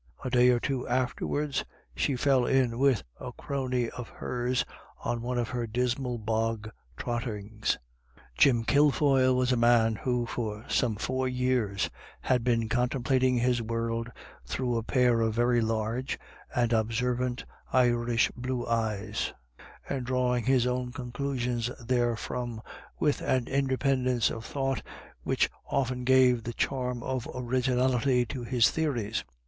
A day or two afterwards, she fell in with a crony of hers on one of her dismal bog trottings. Jim Kilfoyle was a person who for some four years had been contemplating his world through a pair of very large and observant Irish blue eyes, and drawing his own conclusions therefrom with an independence of thought which often gave the charm of originality to his theories.